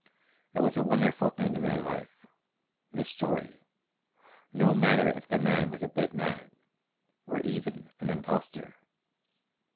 It was a wonderful thing in her life, this story, no matter if the man was a bit mad, or even an impostor.